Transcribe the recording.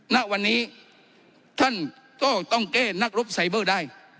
ณวันนี้ท่านก็ต้องแก้นักรบไซเบอร์ได้